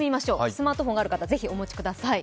スマートフォンがある方、是非お持ちください。